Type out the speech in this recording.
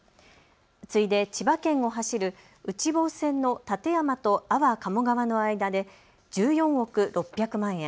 次いで千葉県を走る内房線の館山と安房鴨川の間で１４億６００万円。